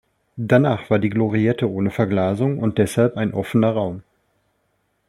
Danach war die Gloriette ohne Verglasung und deshalb ein offener Raum.